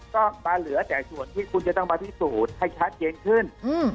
ก็มาเหลือแต่ส่วนที่คุณจะต้องมาพิสูจน์ให้ชัดเจนขึ้น